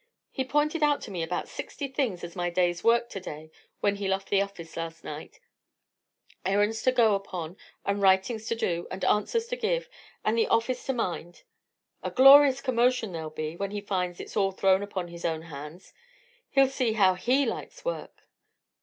He pointed out to me about sixty things as my day's work to day, when he left the office last night; errands to go upon, and writings to do, and answers to give, and the office to mind! A glorious commotion there'll be, when he finds it's all thrown upon his own hands. He'll see how he likes work!"